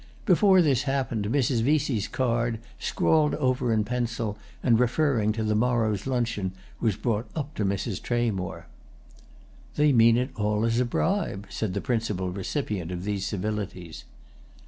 Before this happened Mrs. Vesey's card, scrawled over in pencil and referring to the morrow's luncheon, was brought up to Mrs. Tramore. "They mean it all as a bribe," said the principal recipient of these civilities.